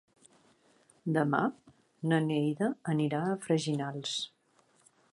Demà na Neida anirà a Freginals.